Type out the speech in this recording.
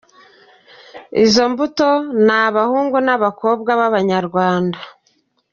Izo mbuto ni abahungu n’abakobwa b’abanyarwanda.